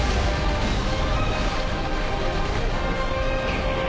くっ。